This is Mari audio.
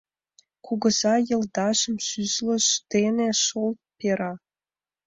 Кугыза йыдалжым сӱзлыж дене шолт пера.